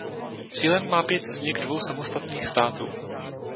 Cílem má být vznik dvou samostatných států.